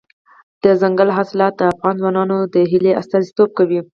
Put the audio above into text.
دځنګل حاصلات د افغان ځوانانو د هیلو استازیتوب کوي.